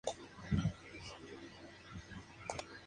Department of Housing and Urban Development".